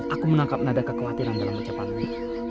aku menangkap nada kekhawatiran dalam percapan ini